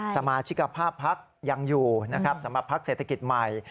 สมาชิกภาพพักยังอยู่นะครับสำหรับพักเศรษฐกิจใหม่